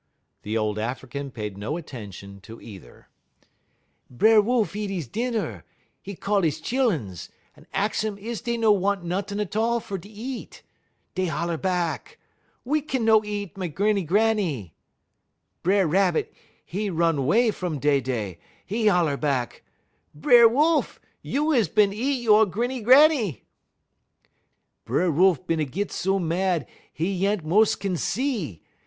The old African paid no attention to either. "B'er Wolf eat 'e dinner; 'e call 'e chilluns, 'e ahx um is dey no want nuttin' 't all fer eat. 'E holler back: "'We no kin eat we Grinny Granny!' "B'er Rabbit, 'e run 'way fum dey dey; 'e holler back: "'B'er Wolf, you is bin eat you' Grinny Granny.' "B'er Wolf bin a git so mad 'e yent mos' kin see.